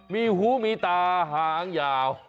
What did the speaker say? มีหูมีตาหางยาว